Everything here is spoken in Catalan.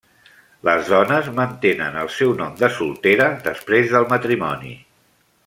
Les dones mantenen el seu nom de soltera després del matrimoni.